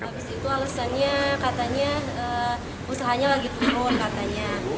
habis itu alasannya katanya usahanya lagi turun katanya